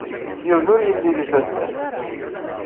Yiwen ur yelli deg taddart.